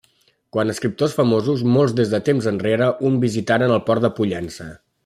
Quant a escriptors famosos, molts des de temps enrere un visitaren el Port de Pollença.